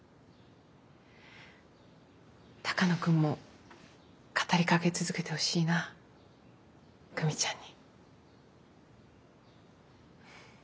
鷹野君も語りかけ続けてほしいな久美ちゃんに。